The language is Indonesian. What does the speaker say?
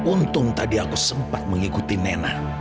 untung tadi aku sempat mengikuti nena